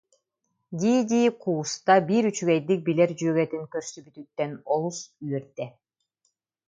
дии-дии кууста, биир үчүгэйдик билэр дьүөгэтин көрсүбүтүттэн олус үөрдэ